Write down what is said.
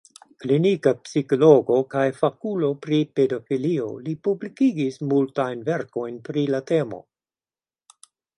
Klinika psikologo kaj fakulo pri pedofilio, li publikigis multajn verkojn pri la temo.